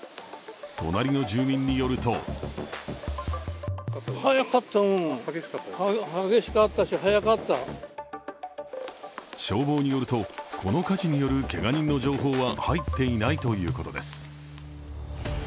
隣の住民によると消防によると、この火事によるけが人の情報は入っていないということです。